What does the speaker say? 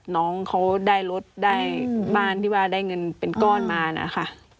น้องเขาได้รถได้บ้านที่ว่าได้เงินเป็นก้อนมานะคะ